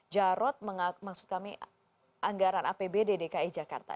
jarod maksud kami anggaran apb di dki jakarta